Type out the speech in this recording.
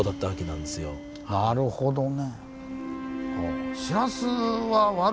なるほどね。